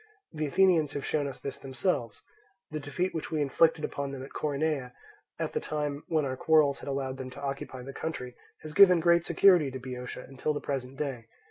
The Athenians have shown us this themselves; the defeat which we inflicted upon them at Coronea, at the time when our quarrels had allowed them to occupy the country, has given great security to Boeotia until the present day.